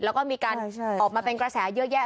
แล้วก็มีการออกมาเป็นกระแสเยอะแยะ